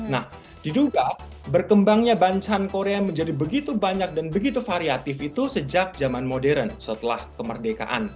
nah diduga berkembangnya bancahan korea menjadi begitu banyak dan begitu variatif itu sejak zaman modern setelah kemerdekaan